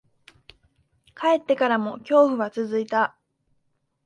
帰ってからも、恐怖は続いた。